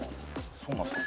そうなんすか。